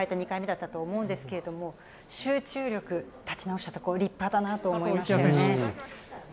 ２回目だったと思うんですけど、集中力、立て直したところ、立派だったなと思います。